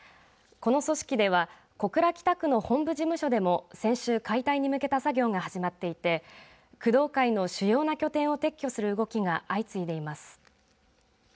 この組織では小倉北区の本部事務所でも先週解体に向けた作業が始まっていて工藤会の主要な拠点を撤去する動きが相次いでいます。